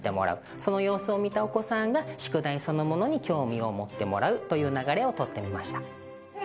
その様子を見たお子さんが宿題そのものに興味を持ってもらうという流れを取ってみました。